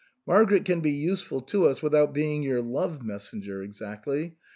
" Margaret can be useful to us with out being your love messenger exactly.